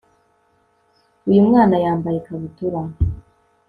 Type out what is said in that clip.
Uyu mwana yambaye ikabutura